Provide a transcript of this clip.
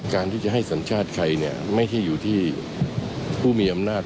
การที่จะให้สัญชาติใครเนี่ยไม่ใช่อยู่ที่ผู้มีอำนาจ